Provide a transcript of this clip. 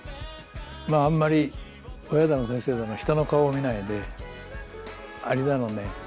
まああんまり親だの先生だの人の顔を見ないでアリだのね